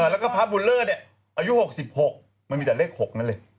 แล้วก็พระบุญเลิศอายุ๖๖มันมีแต่เลข๖นั้นเลย